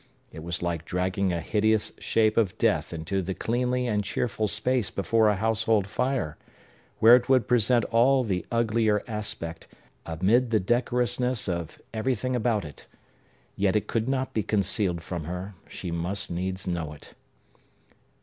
It was like dragging a hideous shape of death into the cleanly and cheerful space before a household fire, where it would present all the uglier aspect, amid the decorousness of everything about it. Yet it could not be concealed from her; she must needs know it.